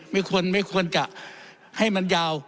ไม่ควรไม่ควรจะให้มันยาว